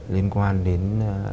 liên quan đến